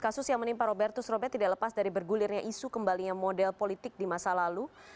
kasus yang menimpa robertus robert tidak lepas dari bergulirnya isu kembalinya model politik di masa lalu